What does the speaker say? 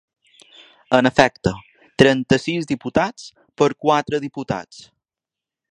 En efecte, trenta-sis diputats per quatre diputats.